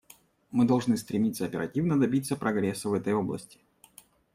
Мы должны стремиться оперативно добиться прогресса в этой области.